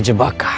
ini jebak kak